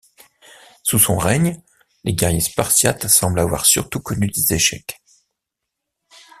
Sous son règne, les guerriers spartiates semblent avoir surtout connus des échecs.